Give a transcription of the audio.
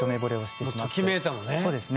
ときめいたのね。